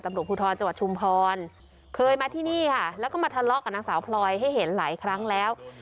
ตำรวจภูทรจังหวัดชุมพรเคยมาที่นี่ค่ะแล้วก็มาทะเลาะกับนางสาวพลอยให้เห็นหลายครั้งแล้ว